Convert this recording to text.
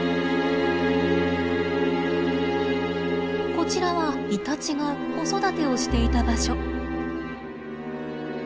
こちらはイタチが子育てをしていた場所。